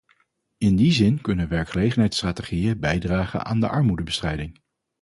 In die zin kunnen werkgelegenheidsstrategieën bijdragen aan de armoedebestrijding.